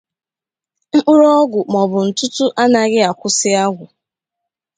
Mkpụrụọgwụ maọbụ ntụtụ anaghị akwụsị agwụ